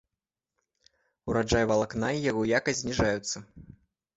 Ураджай валакна і яго якасць зніжаюцца.